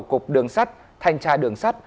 cục đường sắt thanh tra đường sắt